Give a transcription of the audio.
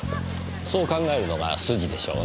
そう考えるのが筋でしょうねぇ。